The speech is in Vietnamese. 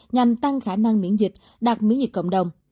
nhằm tăng khả năng miễn dịch đạt miễn dịch cộng đồng